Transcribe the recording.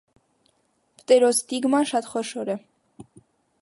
Պտերոստիգման շատ խոշոր է։